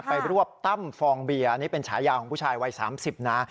รวบตั้มฟองเบียร์อันนี้เป็นฉายาของผู้ชายวัย๓๐นะ